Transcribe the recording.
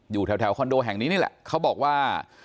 อยู่แถวคอนโดแห่งนี้นี่แหละเขาบอกว่า